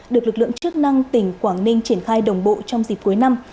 được lực lượng chức năng tỉnh quảng ninh triển khai đồng bộ trong dịp cuối năm